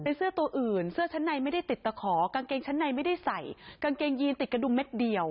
เป็นเสื้อตัวอื่นเสื้อชั้นในไม่ได้ติดตะขอกางเกงชั้นในไม่ได้ใส่กางเกงยีนติดกระดุมเม็ดเดียว